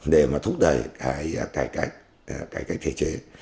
để mà thúc đẩy cái cải cách cải cách thể chế